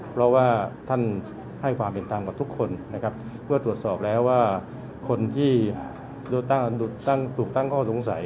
เพราะว่าท่านให้ความเป็นธรรมกับทุกคนนะครับเมื่อตรวจสอบแล้วว่าคนที่ถูกตั้งข้อสงสัย